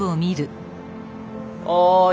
おい！